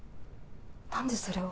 何でそれを？